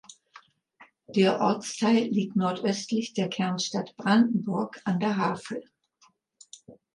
Der Ortsteil liegt nordöstlich der Kernstadt Brandenburg an der Havel.